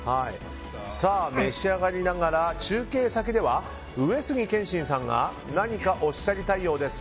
召し上がりながら、中継先では上杉謙信さんが何かおっしゃりたいようです。